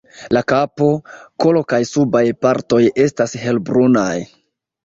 La kapo, kolo kaj subaj partoj estas helbrunaj.